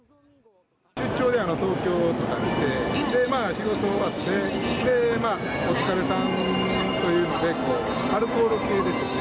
出張で東京とか行って、仕事終わって、で、お疲れさんというので、こう、アルコール系ですね。